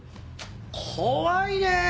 怖いねえ。